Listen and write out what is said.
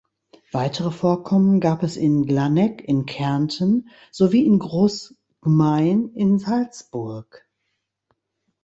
Weitere Vorkommen gab es in Glanegg in Kärnten sowie in Großgmain in Salzburg.